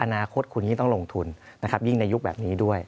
อนาคตคุณยิ่งต้องลงทุนนะครับยิ่งในยุคแบบนี้ด้วย